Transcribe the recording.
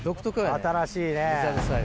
新しいね。